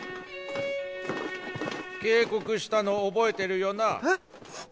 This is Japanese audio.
警告したの覚えてるよな？